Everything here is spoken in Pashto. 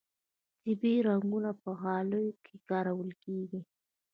طبیعي رنګونه په غالیو کې کارول کیږي